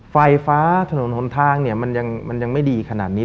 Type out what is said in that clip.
ไฟฟ้าถนนหนทางเนี่ยมันยังไม่ดีขนาดนี้